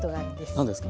何ですか？